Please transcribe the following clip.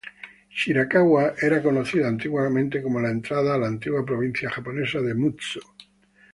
Shirakawa era conocida antiguamente como la entrada a la antigua provincia japonesa de Mutsu.